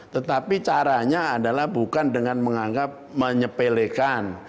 tetapi caranya adalah bukan dengan menganggap menyepelekan